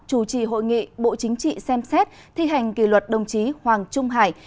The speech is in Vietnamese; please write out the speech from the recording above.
chủ trì hội nghị bộ chính trị xem xét thi hành kỷ luật đồng chí hoàng trung hải